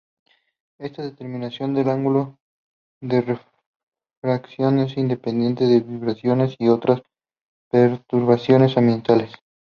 Esta determinación del ángulo de refracción es independiente de vibraciones y otras perturbaciones ambientales.